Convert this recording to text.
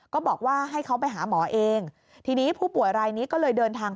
ก็บอกว่าให้เขาไปหาหมอเองทีนี้ผู้ป่วยรายนี้ก็เลยเดินทาง